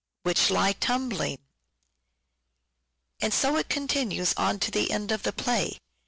I.) "which Lie tumbling" (II. 2.) And so it continues on to end of the play.